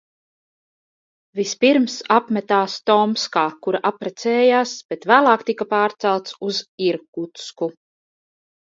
Vispirms apmetās Tomskā, kur apprecējās, bet vēlāk tika pārcelts uz Irkutsku.